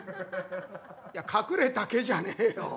「いや隠れた毛じゃねえよ。